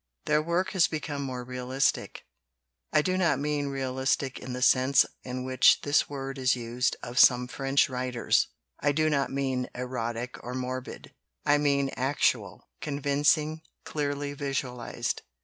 Their work has become more realistic. I do not mean realistic in the sense in which this word is used of some French writers; I do not mean erotic or morbid. I mean actual, convincing, clearly visualized.